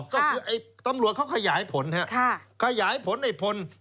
ค่ะก็คือไอ้ตำรวจเขาขยายผลอะค่ะขยายผลไอ้พนธุ์